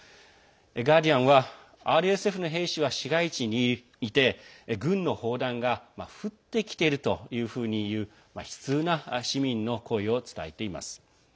ガーディアンはＲＳＦの兵士は市街地にいて軍の砲撃が降ってきているというふうにいう市民の悲痛な声を伝えています。